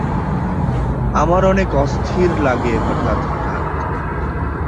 আমার অনেক অস্থির লাগে হঠাৎ হঠাৎ।